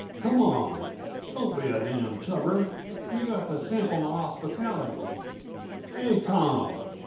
Come on don't be a damn' chubber! Yuh got to sample m' hospitality. Hey, Tom!